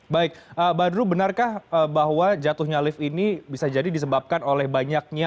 baik badru benarkah bahwa jatuhnya lift ini bisa jadi disebabkan oleh banyaknya